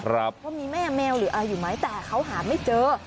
ว่ามีแม่แมวหรืออะไรอยู่ไหมแต่เขาหาไม่เจอ